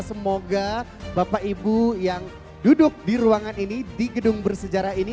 semoga bapak ibu yang duduk di ruangan ini di gedung bersejarah ini